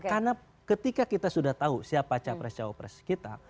karena ketika kita sudah tahu siapa cawapres cawapres kita